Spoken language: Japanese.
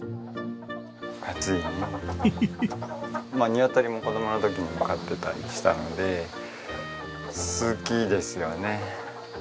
ニワトリも子供の時にも飼ってたりしたので好きですよね。